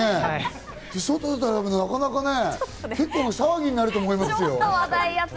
外に出たら結構な騒ぎになると思いますよ。